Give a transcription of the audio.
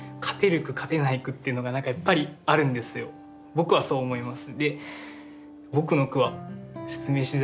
僕はそう思います。